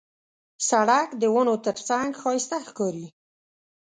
سړک د ونو ترڅنګ ښایسته ښکاري.